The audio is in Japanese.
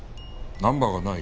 ナンバーがない？